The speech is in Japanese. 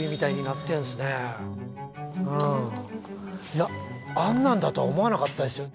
いやあんなんだとは思わなかったですよ。